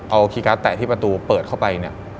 เอาคีย์การ์ดแตะที่ประตูเปิดเข้าไปเนี่ย